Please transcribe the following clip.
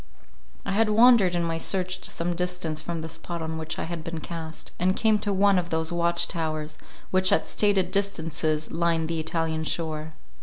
I had wandered in my search to some distance from the spot on which I had been cast, and came to one of those watch towers, which at stated distances line the Italian shore.